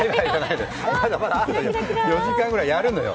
まだまだ４時間ぐらいやるのよ。